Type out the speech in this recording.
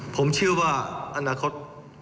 ผมเชื่อว่าอนาคต